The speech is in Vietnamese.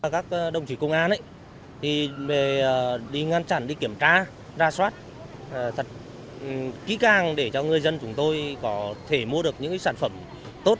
các đồng chí công an đi ngăn chặn đi kiểm tra ra soát thật kỹ càng để cho người dân chúng tôi có thể mua được những sản phẩm tốt